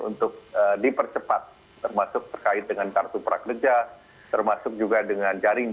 untuk dipercepat termasuk terkait dengan kartu prakerja termasuk juga dengan jaring